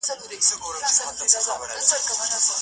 زه خو دا يم ژوندی يم.